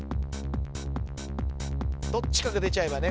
どっちかが出ちゃえばね